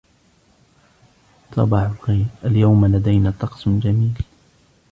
صباح الخير, اليوم لدينا طقسُ جميل.